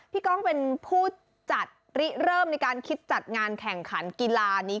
ก้องเป็นผู้จัดริเริ่มในการคิดจัดงานแข่งขันกีฬานี้